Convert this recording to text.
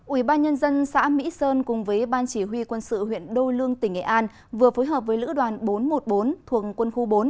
ủy ban nhân dân xã mỹ sơn cùng với ban chỉ huy quân sự huyện đô lương tỉnh nghệ an vừa phối hợp với lữ đoàn bốn trăm một mươi bốn thuộc quân khu bốn